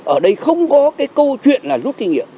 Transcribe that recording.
ở đây không có cái câu chuyện là rút kinh nghiệm